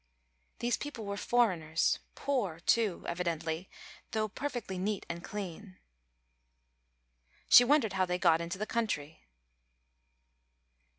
These people were foreigners, poor, too, evidently, though perfectly neat and clean. She wondered how they got into the country.